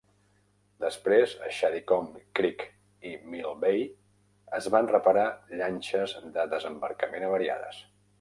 Després, a Shadycombe Creek i Mill Bay es van reparar llanxes de desembarcament avariades.